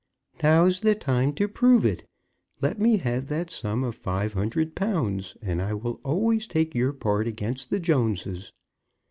"Now's the time to prove it. Let me have that sum of five hundred pounds, and I will always take your part against the Joneses.